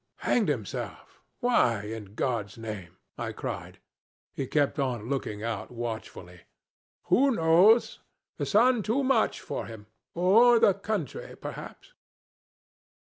'Hanged himself! Why, in God's name?' I cried. He kept on looking out watchfully. 'Who knows? The sun too much for him, or the country perhaps.'